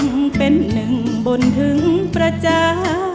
ยังเป็นหนึ่งบนถึงประจา